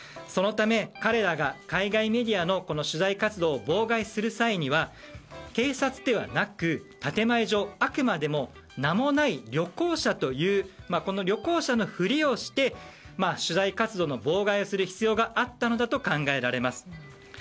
そのため、彼らが海外メディアの取材活動を妨害する際には警察ではなく建前上あくまでも名もない旅行者という旅行者のふりをして取材活動の妨害をする必要があったのだと考えられます。